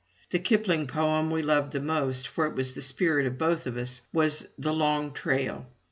The Kipling poem we loved the most, for it was the spirit of both of us, was "The Long Trail."